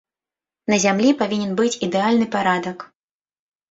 На зямлі павінен быць ідэальны парадак.